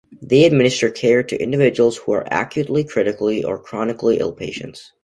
They administer care to individuals who are acutely, critically or chronically ill patients.